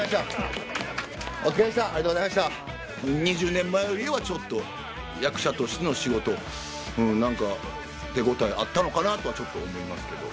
２０年前よりはちょっと役者としての仕事何か手応えあったのかなとはちょっと思いますけど。